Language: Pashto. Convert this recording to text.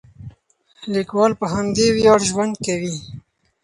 لیکوال په همدې ویاړ ژوند کوي.